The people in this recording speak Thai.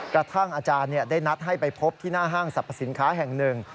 กระทั่งอาจารย์ได้นัดให้ไปพบที่หน้าห้างสรรพสินค้าแห่งหนึ่ง